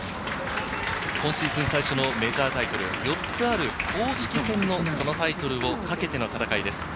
今シーズン最初のメジャータイトル、４つある公式戦のそのタイトルを懸けての戦いです。